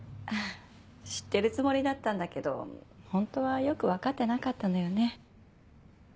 あぁ知ってるつもりだったんだけどホントはよく分かってなかったのよね。